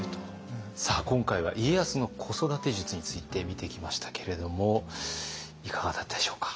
さあ今回は家康の子育て術について見てきましたけれどもいかがだったでしょうか？